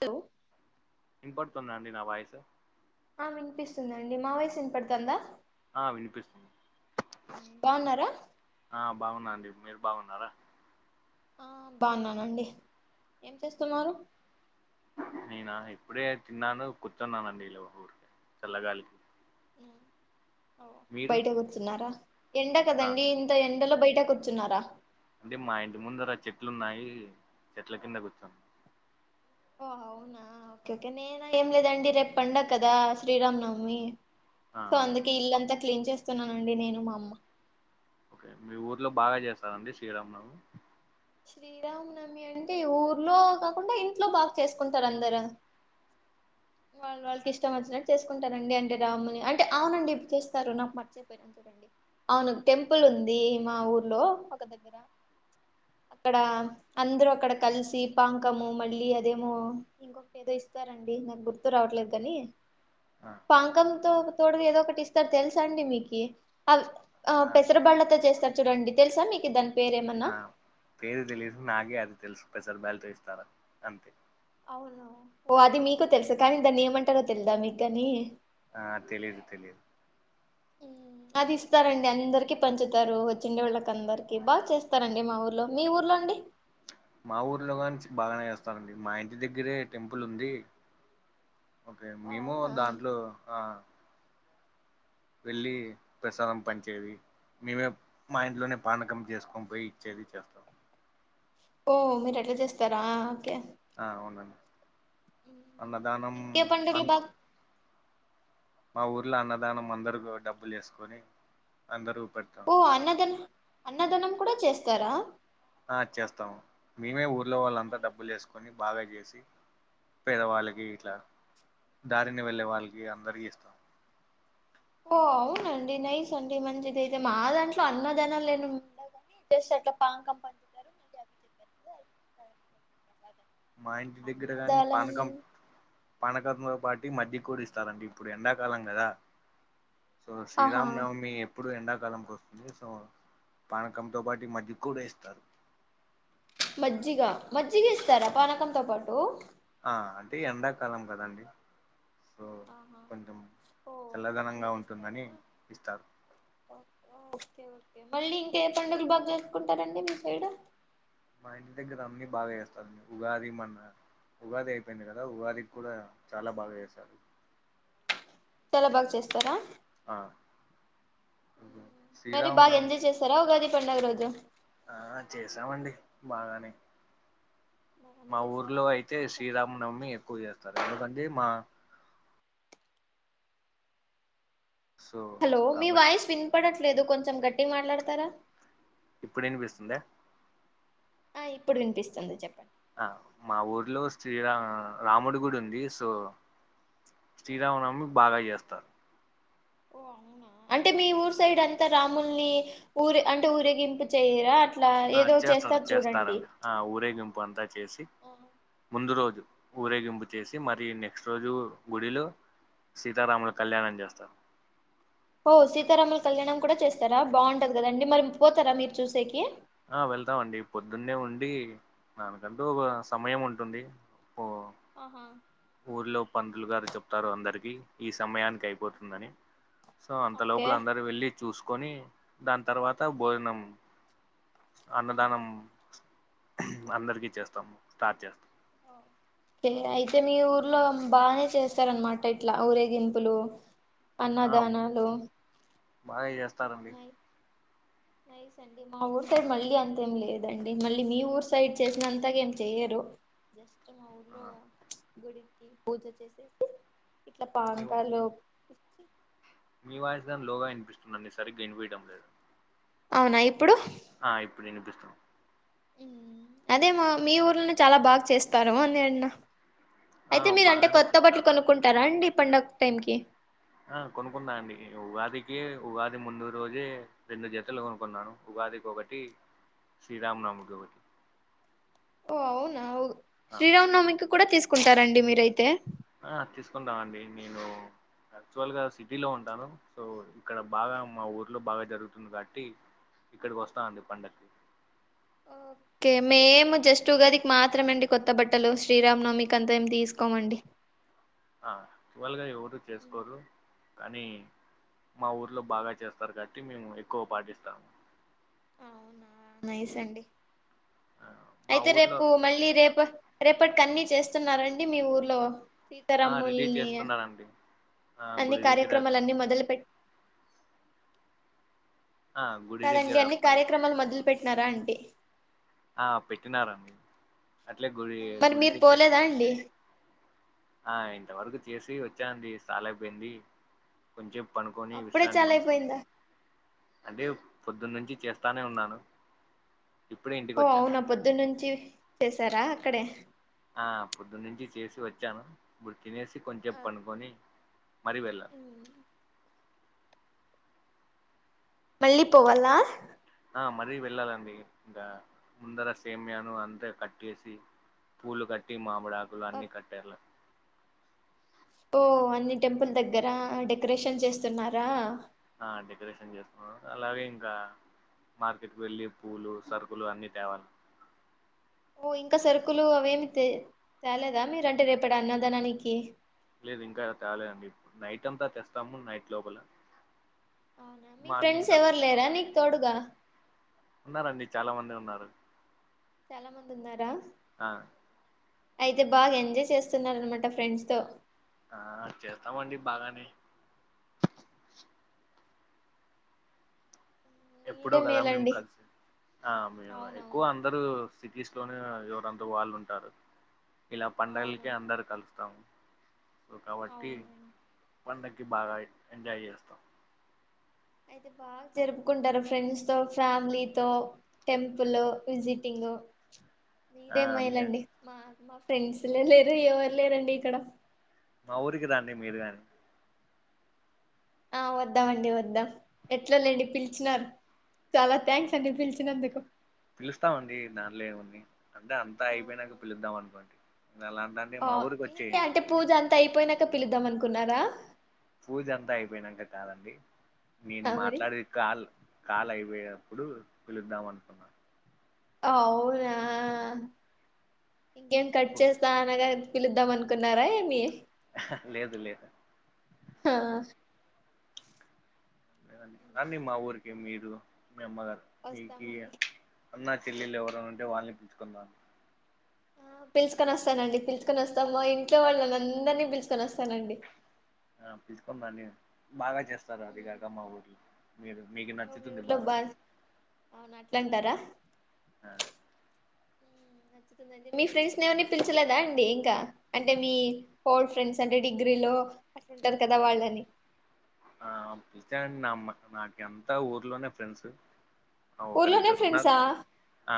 Hello ఇం పడుతుంద అండి నా వాయసు ఆ వినిపిస్తుందండి మా వయిసు వినపడుతుందా ఆ వినిపిస్తుంది బాగున్నారా ఆ బాగున్నా అండి మీరు బాగున్నారా బాగున్నానండి ఏం చేస్తున్నారు నేనా ఇప్పుడే తిన్నాను కూర్చున్నానండి ఊరికే చల్లగాలికి మీరు బయటకి కుచున్నారా ఎండ ఆ కదండి ఇంత ఎండలో బయట కూర్చున్నారా అంటే మా ఇంటి ముందు రా చెట్లు ఉన్నాయి చెట్ల కింద కూర్చోం ఓ అవునా ఓకే ఓకే నేను ఏం లేదండి రేపు పండగ కదా శ్రీరామ్ నవమి ఆ సో అవును అందుకే ఇల్లంతా క్లీన్ చేస్తున్నానండి నేను మా అమ్మ ఒకే మీ ఊర్లో బాగ చేస్తారండి శ్రీరామ నవమి శ్రీరామనమి అంటే ఊర్లో కాకుండా ఇంట్లో బాగా చేసుకుంటారు అందరు వాళ్ళ వాళ్ళకి ఇష్టం వచ్చినట్టు చేసుకుంటారండి అంటే రాముని అంటే అవునండి ఇ చేస్తారు నాకు మర్చిపోయినను చూడండి అవును టెంపుల్ ఉంది మా ఊర్లో ఒక దగ్గర అక్కడ అందరు అక్కడ కలిసి పాంకము మళ్ళీ అదేమో ఇంకొక ఏదో ఇస్తారండి నాకు గుర్తు రావట్లేదు కాని ఆ పంకతో తోడుగా ఏదో ఒకటి ఇస్తారు తెలుస అండి మీకు అ ఆ పెసర బ్యాళ్లతో చేస్తారు చూడండి తెలుస మీకు దాన్ పేరేమన్నా తెలీదు నాకి అది తెలుసు పేసర్ బ్యాల్తో ఇస్తారా అంతే అవున ఓ అది మీకు తెలుసా కానీ దాన్ని ఏమంటారో తెలుదా మీకు గాని ఆ తెలిదు తెలిదు అది ఇస్తారండి అందరికి పంచుతారు వచ్చుండే వాళ్ళకదరికి బాగా చేస్తారండి మా ఊర్లో మీ ఊర్లో అండి మా ఊర్లో గాని బాగనే చేస్తారండి మా ఇంటి దగ్గరే టెంపుల్ ఉంది ఒకే ఓ మేము అవునా దాంట్లో వెళ్ళి ప్రసాదం పంచేది మేమే మా ఇంట్లోనే పానకం చేసుకొని పోయి ఇచ్చేది చేస్తాం ఓ మీరు అట్ల చేస్తార ఒకే ఆ అవునం మ్మ్. అన్నదానం ఇంకే పండుగలు అన్ బాగా మా ఊర్లో అన్నదానం అందరు డబ్బులేసుకొని అందరు ఓ అన్నదనం అన్నదనం కూడ చేస్తార ఆ చేస్తము మేమే ఊర్లో ఓ వాళ్ళంత నైస్ డబ్బులేసుకొని బాగ చేసి పేదవాళ్ళకి అవును ఇట్ల దారిన వెళ్ళే వాళ్ళకి అందరికీ ఇస్తాం ఓ అవునండి నైస్ అండి మంచిది అయితే మా దాంట్లో అన్నదనం లేని ఉండవు కనీ జస్ట్ అట్ల పాంకం పంచుతరు మా ఇంటి దగ్గర కాని పానకం పానకంతో పాటి మజ్జిగ కూడిస్తారండి ఇప్పుడు ఎండాకాలం కదా సో ఆహా శ్రీరామనవమి ఎప్పుడు ఎండ సో పానకంతో పాటు మజ్జిగ్ కూడా ఇస్తారు మజ్జిగ మజ్జిగిస్తారా పానకంతో పాటు అ అంటే ఎండకాలం కదండి సో ఆహా కొంచెం ఓ చల్లదనంగా అందుకిస్తరా ఉంటుందని ఇస్తారు ఓ ఓ కే ఒకే మళ్ళీ ఇంకె పండుగలు బాగ్ చేస్కుటరండి మీ సైడ్ మా ఇంటిగ్గర అన్ని బాగా చేస్తారండి ఉగాది మన్న ఉగాది అయింది కదా ఉగాది కూడా చాలా బాగా చేస్ చల బాగ చేస్తరా ఆ మరి బాగా శ్రీరామనవమి ఎంజాయ్ చేస్తరా ఉగాది పండగ రోజ ఆ చేసామండి బాగనే బాగానే మా చేశారా ఊర్లో అయితే ఫ్రెండ్స్ శ్రీరామనవమి ఎక్కువ చేస్తారు ఎందుకంటే మా సో హలో మీ కాబట్టి వాయిస్ విన్పడడ్ లేదు కొంచెం గట్టిగ్ మాట్లాడతారా ఇప్పుడినిపిస్తుంద ఆ ఇప్పుడు వినిపిస్తుంది చెప్పం ఆ మా ఊర్లో శ్రీరామ రాముడు గుడి ఉంది సో శ్రీరామనమి బాగా చేస్తారు ఓహ్ అవునా అంటే మీ ఊరు సైడ్ అంతా రాముల్ని ఊరే అంటే ఊరేగింపు చేయరా అ ఆ చేస్తారు చేస్తారండి ఆ ఊరేగింపు అంతా చేసి ముందు రోజు ఆ ఊరేగింపు చేసి మరి నెక్స్ట్ రోజు గుడిలో సీతారాముల కళ్యాణం చేస్తారు ఓ సీతారాముల కళ్యాణం కూడా చేస్తారా బాగుంటది కదండి మరి పోతారా మీరు చూసేకి ఆ వెళ్తామండి పొద్దున్నే ఉండి దానికంటూ ఒ సమయం ఉంటుంది ఓ ఆహా ఊర్లో పంతలు గారు చెప్తారు అందరికి ఈ సమయానికి అయిపోతుందని సో అంత ఓకే లోపల అందరు వెళ్ళి చూసుకొని దాని తర్వాత భోజనం ఆహా అన్నదానం అందరికి చేస్తాము స్టార్ట్ చేస్తాం ఓకే అయితే మీ ఊర్లో బాగానే చేస్తారనమాట ఇట్లా ఊరేగింపులు అన్నదానాలు బానే జెస్తా స్తారండి నై నైస్ అండి మా ఊరు సైడ్ మళ్ళీ అంతేం లేదండి మళ్ళీ మీ ఊరు సైడ్ చేసినంతాగ ఏం చేయ్యరు జస్ట్ మా ఊరిలో ఆ గుడికి పూజ చేసేసి ఇట్లా మేము పానాకాలు చ మీ వాయిస్ గాని లోగా వినిపిస్తుంది సరిగ్గా వినిపయడం లేదు అవునా ఇప్పుడు ఆ ఇప్పుడు వినిపిస్తుంది ఊ అదే మా మీ ఊర్నానే చాలా బాగా చేస్తారు అని అన్నా ఆ అయితే మీరు అంటే బాగానే కొత్త బట్టలు చేస్తారండి కొనుక్కుంటారా అండి పండగ టైంకి ఆ కొనుకున్నా అండి ఉగాదికి ఉగాది ముందు రోజే రెండు జతలు కొనుకున్నాను ఉగాదికి ఒకటి శ్రీరామనమికి ఒకటి ఓ అవునా ఉగ్ ఆ శ్రీరాం నవమికి క కూడా తీసుకు కుంటారండి మీరైతే ఆ తీసుకుంటాం అండి నేను యాక్చువల్ గా సిటీలో ఉంటాను సో ఇక్కడ బాగా మా ఊర్లో బాగా జరుగుతుంది కాబట్టి ఇక్కడికి వస్తాండి పండగకి ఓకే మేము జస్ట్ ఉగాది కి మాత్రమే అండి కొత్త బట్టలు శ్రీరామనవమికి అంతా ఏం తీసుకోమండి ఆ వల్గాయో రు చేసుకోరు కానీ మా ఊర్లో బాగా చేస్తారు కాబట్టి మేము ఎక్కువ పాటిస్తాము అవునా నైస్ అండి ఆ! మా అయితే ఊర్లో రేపు మళ్ళీ రేపు రేపటికిన్నీ చేస్తున్నారండి మీ ఊర్లో ఆ రెడీ సీతారాముల్ని చేస్తున్నానండి ఆ అన్ని గుడి దగ్గర కార్యక్రమాలన్నీ మొదలు పెట్టి ఆ గుడి కాదండి దగ్గర అన్ని అప్పుడే కార్యక్రమాలు మొదలు పెట్ సరే ఆంటీ ఆ పెట్టినారా మీరు మరి మీరు పోలేదా అండి ఆ ఇంతవరకు చేసి వచ్చా నండి సాలె అయిపోయింది కొంచెం పనుకొని అప్పుడే విశ్రాంతి చాలా తీసుకొనీ అయిపోయిందా అంటే పొద్దున్న నుంచి చేస్తానే ఉన్నాను ఇప్పుడే ఇంటికి ఓ వచ్చాను అవునా పొద్దున్న నుంచి చేస్ తర అక్కడే ఆ పొద్దు నుంచి చేసి వచ్చాను తినేసి కొంచె ఆ సేపు పనుకొని మళ్ళీ వెెళ్ళం మ్మ్ మళ్ళీ పోవాలా ఆ మరీ వెళ్ళాలండి ఇంకా ముందర సేమ్యాను అంతే కట్సి పూలు కట్టి మా మూడు ఆకులు అన్ని కట్టారు లే ఓ అన్ని టెంపుల్ దగ్గరా డెకరేషన్ చేస్తున్నారా ఆ డెకరేషన్ చేస్తుం అలాగే ఇంకా మార్కెట్కి వెళ్ళి పూలు సరుకులు అన్ని తేవాలి ఓ ఇంకా సరుకులు అవేమి తె తేలేదా మీరంటే రేపటీ అన్నదనానికి లేదు ఇంకా తాలేదు అండి ఇప్పుడు నైట్ అంతా తెస్తాము నైట్ లోపల అవునా మీ ఫ్రెండ్స్ మార్నింగ్ అంత ఎవరు లేరా నీకు తోడుగా [inaudible] ఉన్నారండి చాలా మంది ఉన్నారు చాలా మంది ఉన్నారా ఆ అయితే బాగా ఎంజాయ్ చేస్తున్నారన్నామాట ఫ్రెండ్స్ తో ఆ చేస్తామండి బాగానే ఎప్పుడో మీరే కదా మేము మేలండి కలిసి ఆ మేము ఎక్కువ అవునవును అందరూ సిటీస్ లోనే ఎక్కువ వాళ్ళు ఉంటారు ఇలా పండుగలకి అవునవును అందరం కలుస్తాము కాబట్టి అవునండి పండక్కీ బాగా ఎంజాయ్ చేస్తాం అయితే బాగా జరుపుకుంటారా ఫ్రెండ్స్ తో ఫ్యామిలీ తో టెంపుల్ విజిటింగ్ ఆ ఉంటే అన్ని మెలండి మా ఫ్రెండ్స్ లే లేరు ఎవరు లేరండి ఇక్కడ మా ఊరుకి రాండి మీరూగాని ఆ వద్దామండి వద్దాం ఎట్లాలేండి పిలిచినారు చాలా థ్యాంక్స్ అండి పిలిచినందుకు పిలుస్తామండి దానిలో ఏముంది అంటే అంతా అయిపోయినాక పిలుద్దాం అనుకోండి అలాంటంటే మా ఊరికి అవునా వచ్చేయండి అంత అయిపోయినాక పిలుద్దాం అనుకున్నారా పూజ అంతా అయిపోయినంకా కాదండి నేను ఆ మరి మాట్లాడేది కాల్ కాల్ అయి ఇగ ఆప్పుడు పిలుద్దాం అనుకున్నా అవునా కేక్ కట్ పూజ చేస్తా అనగానే పిలుద్దాం అనుకున్నారా ఏమి హ్ హా లేదు లేదు హా రండి మా ఊరికి మీరు మీ అమ్మగారు మీకీ ఇక వస్తామండి అందరు చెల్లిళ్లు ఎవరైనా ఉంటే వాళ్నని పిలుచుకొనిరా పిలుచుకొని వస్తానండి పిలుచుకొని వస్తా మా ఇంట్లో వాళ్ళని అందరినీ పిలుచుకొని వస్తానండి ఆ పిలుచుకొని రండి బాగా చేస్తా వస్తారా అండి గట్టమ్మ మా ఊర్లో మీకు ఓ మీ నచ్చుతుంది ఊర్లో బాగా బా అవును అంటారా ఆ మీ ఫ్రెండ్స్ ని ఎవరిని పిలిచలేదా అండి ఇంకా అంటే మీ ఓల్డ్ ఫ్రెండ్స్ అంటే డిగ్రీలో అట్లుంటారు కదా వాళ్ళని పీల్చా అండి నాకు అంత ఊర్లోనే ఫ్రెండ్స్ ఒకరు ఊర్లోనే ఇద్దరు ఉన్నారు ఫ్రెండ్సా ఆ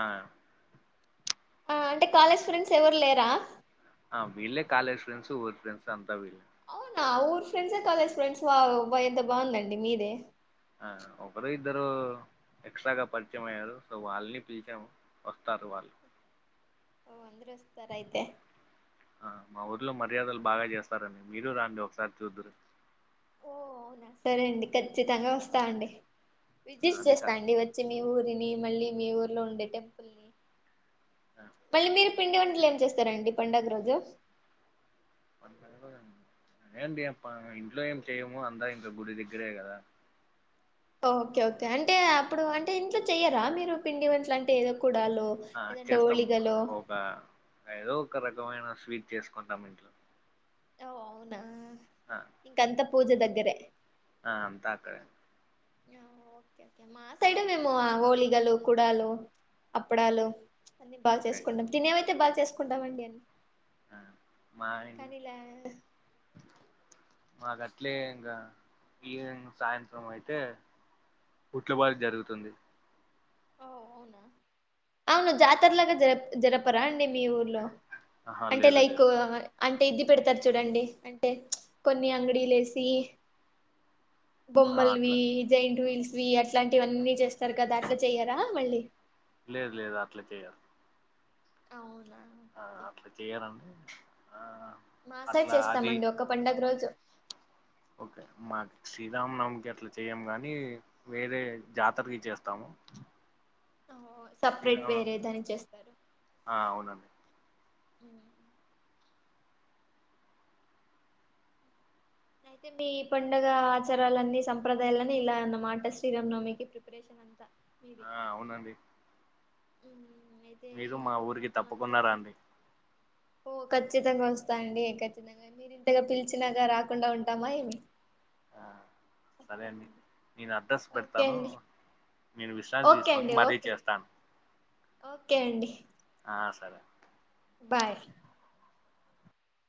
ఆ అంటే కాలేజ్ ఫ్రెండ్స్ ఎవరు లేరా ఆ వీళ్ళే కాలేజ్ ఫ్రెండ్స్ ఊర్ ఫ్రెండ్స్ అంతా వీ అవునా! ఊరు ఫ్రెండ్సే కాలేజ్ ఫ్రెండ్సే వావ్ వా ఎంత బాగుందండి. మీదే, ఆ ఒకరో ఇద్దరో ఎక్సట్రాగా పరిచమయ్యారు. సో వాళ్లని పిలిచం, వస్తారు వాళ్లు. ఓ అందు దురోస్తారు అయితే ఆ మా ఊర్లో మర్యాదలు బాగా చేస్తారండి. మీరు రాండి ఒకసారి చూద్దురు. ఓ అవునా సరే అండి ఖచ్చితంగా వస్తా అండి విజిట్ అదికా చేస్తా అండి వచ్చి మీ మీ ఊరిని మళ్ళీ మీ ఊర్లో ఉండే టెంపుల్ని పల్లి మీరు పిండి వంటలు లే చేస్తారాండి పండుగ రోజు పండగ రోజు [unintelligible] ఎం చెయ్యం. పా ఇంట్లో ఏం చేయము అంతా ఇంకా గుడి దేగ్గరే కదా! ఓకే ఓకే అంటే అ ఇప్పుడు అంటే ఇంట్లో చెయ్యరా మీరు పిండి వంట్లని తెదో కుడాల్లో ఆ ఏదంటే చేస్తామమ్మా ఓలిగలో ద్భుతమైన స్వీట్ చేసుకుంటాం ఇంట్లో ఓ అవునా ఆ ఇంకంతం పూజ దగ్గరే ఆ అంత అక్కడే య ఓ క్కె క్యా మా సైడ్ మేము. ఓలిగలు, కుడాలు, అప్పడాలు అన్ని బాగా ఓకే చేసుకుంటామ్ తీనేవైతే బాగ్ చేసుకుంటమండి అన్ని ఆ మా ఇన్ కనీలా మాకు అట్లే, ఇంకా ఈవెనింగ్ సాయంత్రం అయితే పుట్లబడి జరుగుతుంది. ఓ అవునా, అవును జాతరలాగా జర జరపరాండి. మీ ఊర్లో, ఆహా అంటే లేదు లైక్ లేదు అంటే ఇది పెడతారు చూడండి అంటే కొన్ని అంగడీలు లేసి ఆహా బొమ్మల్వి అట్లా జైయింట్ వీల్స్ వి అట్లాంటివన్నీ చేస్త అట్లా చెయ్యార మళ్ళీ లేదు లేదు అట్లా చేయరు అవున ఆ అట్లా చేయరండి ఆ మా సైడ్ అట్లా చేస్తామండి ఒక్క పండుగ రోజు ఒకే మాకు శ్రీరామనవమికి అట్లా చేయ్యము, గాని వేరే జాతరకి చేస్తాము. ఓహో సపరేట్ వేరే శ్రీరామనవమి దనికి చేస్తారు ఆ అవునండి మ్మ్ అయితే మీ పండగ ఆచారాలన్నీ సంప్రదాయాలన్నీ ఇలా అనమాట శ్రీరామ్ నవమికి ప్రిపరేషన్ అ ఆ అవునండి హ్మ్ హు మీరు మా ఊరికి తప్పకుండా రండి ఓ ఖచ్చితంగ వస్తాండి ఖచ్చితంగా మీరి ఇంతగా పిలిచినాగా రా కుండా ఉంటామా ఏమి ఆ సరే అండి నేన్ డ్రస్ ఓకే పెడతాను అండి నేను విశ్రాంతి తీసుకొని మరీ చేస్తాను ఒకే అండి ఆ సరే బాయ్